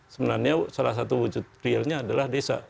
sebenarnya salah satu wujud realnya adalah desa